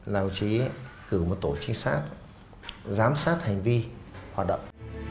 là đồng chí cử một tổ trinh sát giám sát hành vi hoạt động